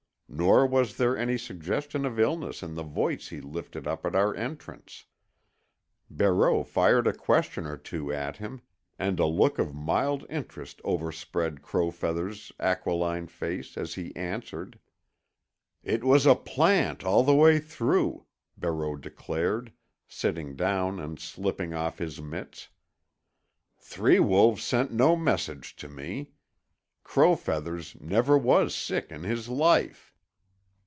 Nor was there any suggestion of illness in the voice he lifted up at our entrance. Barreau fired a question or two at him, and a look of mild interest overspread Crow Feathers' aquiline face as he answered. "It was a plant all the way through," Barreau declared, sitting down and slipping off his mitts. "Three Wolves sent no message to me. Crow Feathers never was sick in his life."